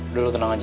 udah lo tenang aja